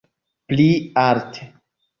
Pli alte!